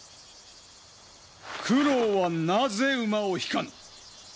九郎はなぜ馬を引かぬ！